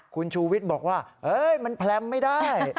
คุณชูวิทย์บอกว่ามันแพลมไม่ได้